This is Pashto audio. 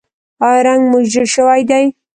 ایا رنګ مو ژیړ شوی دی؟